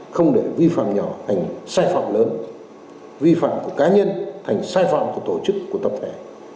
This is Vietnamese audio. không để vi phạm nhỏ thành sai phạm lớn vi phạm của cá nhân thành sai phạm của tổ chức của tập thể